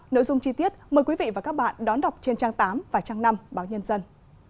nội dung chi tiết mời quý vị và các bạn đón đọc trên trang tám và trang năm báo nhân dân